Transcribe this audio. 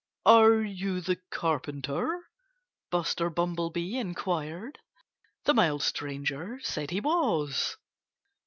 "Are you the Carpenter?" Buster Bumblebee inquired. The mild stranger said he was.